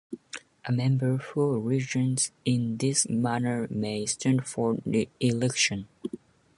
A member who resigns in this manner may stand for re-election.